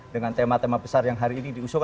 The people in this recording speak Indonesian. dengan tema tema besar yang hari ini diusung